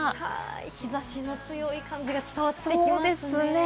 日差しの強い感じが伝わってきますね。